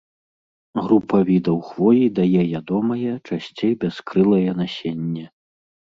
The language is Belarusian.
Група відаў хвоі дае ядомае, часцей бяскрылае насенне.